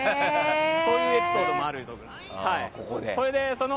そういうエピソードもあるところ。